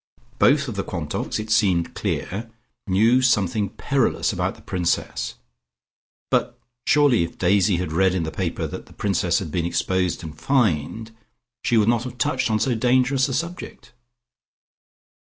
Both of the Quantocks, it seemed clear, knew something perilous about the Princess, but surely if Daisy had read in the paper that the Princess had been exposed and fined, she would not have touched on so dangerous a subject.